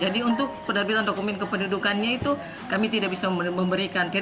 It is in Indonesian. jadi untuk penerbitan dokumen kependudukannya itu kami tidak bisa memberikan